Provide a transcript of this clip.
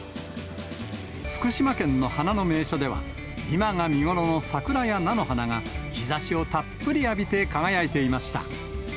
福島県の花の名所では、今が見頃の桜や菜の花が、日ざしをたっぷり浴びて輝いていました。